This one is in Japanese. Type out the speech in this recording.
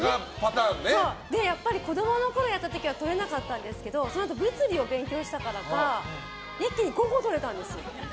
やっぱり、子供のころやった時はとれなかったんですけどそのあと物理を勉強したからか一気に５個取れたんですよ。